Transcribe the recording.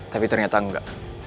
tapi ternyata engga